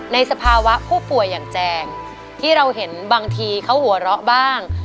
สภาวะผู้ป่วยอย่างแจงที่เราเห็นบางทีเขาหัวเราะบ้าง